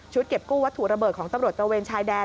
เก็บกู้วัตถุระเบิดของตำรวจตระเวนชายแดน